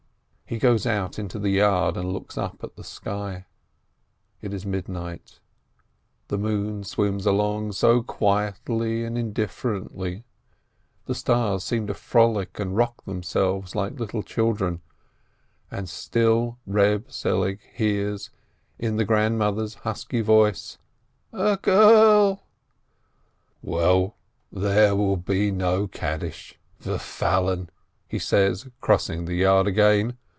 He goes out into the yard, and looks up at the sky. It is midnight. The moon swims along so quietly and indifferently, the stars seem to frolic and rock them selves like little children, and still Reb Selig hears, in the "grandmother's" husky voice, "A girl I" "Well, there will be no Kaddish ! Verfallen !" he says, crossing the yard again.